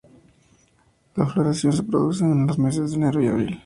La floración se produce en los meses de enero–abril.